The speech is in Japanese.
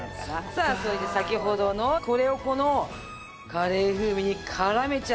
さあそれで先ほどのこれをこのカレー風味に絡めちゃいます。